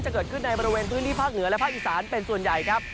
เกิดขึ้นในบริเวณพื้นที่ภาคเหนือและภาคอีสานเป็นส่วนใหญ่ครับ